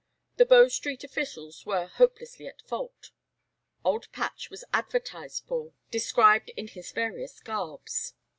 The Bow Street officials were hopelessly at fault. "Old Patch" was advertised for, described in his various garbs.